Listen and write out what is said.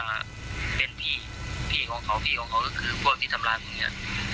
ที่พูดพูดกรณีเขาบอกว่าที่เขาทำร้ายทำร้ายเราเนี้ย